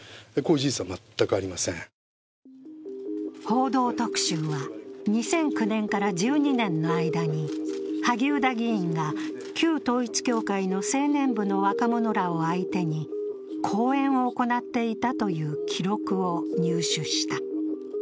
「報道特集」は２００９年から１２年の間に萩生田議員が旧統一教会の青年部の若者らを相手に講演を行っていたという記録を入手した。